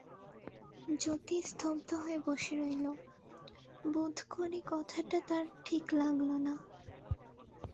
যতী স্তব্ধ হয়ে বসে রইল, বোধ করি কথাটা তার ঠিক লাগল না।